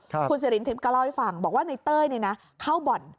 คุณสิรินทิพย์ก็เล่าให้ฟังบอกว่าในเต้ยเข้าบ่อน